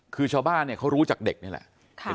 คือชาวบ้านเนี่ยเขารู้จากเด็กนี่แหละ